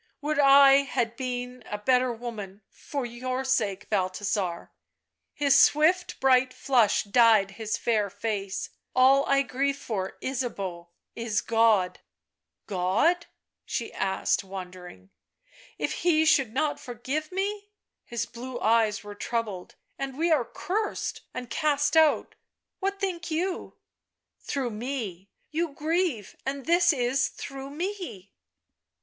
" Would I had been a better woman, for your sake, Balthasar." His swift bright flush dyed his fair face. 11 All I grieve for, Ysabeau, is — God." " God ?" she asked, wondering. " If He should not forgive?" — his blue eyes were troubled —" and we are cursed and cast out — what think you ?"" Through me !— you grieve, and this is — through me